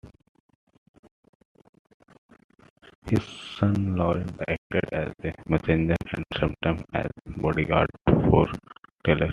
His son Lorin acted as a messenger and sometimes a bodyguard for Taylor.